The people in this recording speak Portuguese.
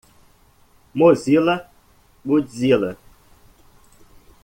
Mozilla, Godzilla.